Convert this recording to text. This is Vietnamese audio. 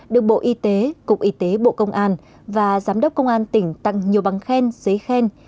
được bộ y tế cục y tế bộ công an và giám đốc công an tỉnh tặng nhiều bằng khen giấy khen